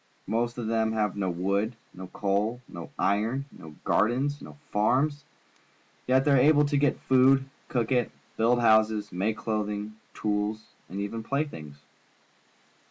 Most of them have no wood, no coal, no iron, no gardens, no farms, yet they are able to get food, cook it, build houses, make clothing, tools, and even playthings.